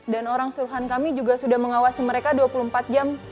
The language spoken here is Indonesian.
dan orang suruhan kami juga sudah mengawasi mereka dua puluh empat jam